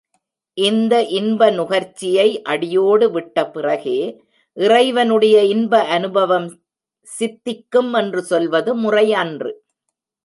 இந்த இன்ப நுகர்ச்சியை அடியோடு விட்ட பிறகே இறைவனுடைய இன்ப அநுபவம் சித்திக்கும் என்று சொல்வது முறை அன்று.